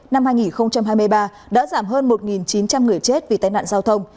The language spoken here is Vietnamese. năm hai nghìn hai mươi ba đã giảm hơn một chín trăm linh người chết vì tai nạn giao thông